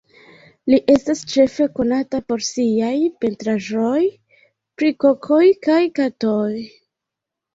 Li estas ĉefe konata por siaj pentraĵoj pri kokoj kaj katoj.